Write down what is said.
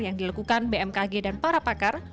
yang dilakukan bmkg dan para pakar